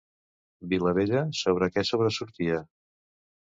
Vila-Vella, sobre què sobresortia?